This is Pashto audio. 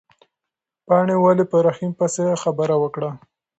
پاڼې ولې په رحیم پسې خبره وکړه؟